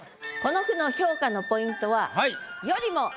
この句の評価のポイントは「よりも」